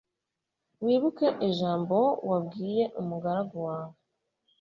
wibuke ijambo wabwiye umugaragu wawe